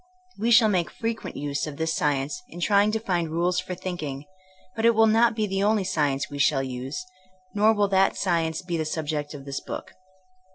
We shall make frequent use of this science in trying to find rules for thinking, but it will not be the only science we shall use, nor will that science be the subject of this book.